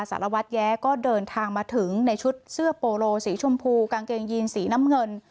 สารวัตรแย้ก็เดินทางมาถึงในชุดเสื้อโปโลสีชมพูกางเกงยีนสีน้ำเงิน